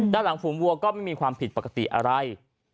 ด้านหลังฝูงวัวก็ไม่มีความผิดปกติอะไร